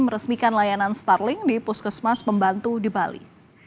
meresmikan layanan starling di puskesmas pembantu di bali